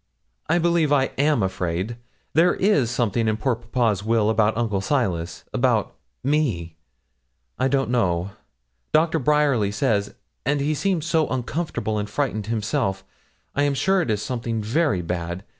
'I believe I am afraid. There is something in poor papa's will about Uncle Silas about me. I don't know Doctor Bryerly says, and he seems so uncomfortable and frightened himself, I am sure it is something very bad.